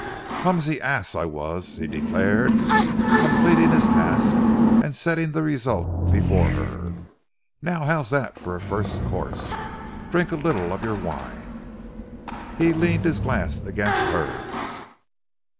"Clumsy ass I was!" he declared, completing his task and setting the result before her. "Now how's that for a first course? Drink a little of your wine." He leaned his glass against hers.